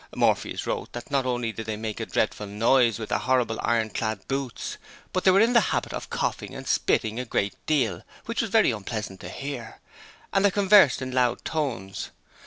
'Morpheus' wrote that not only did they make a dreadful noise with their horrible iron clad boots, but they were in the habit of coughing and spitting a great deal, which was very unpleasant to hear, and they conversed in loud tones.